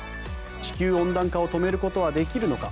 地球温暖化を止めることはできるのか？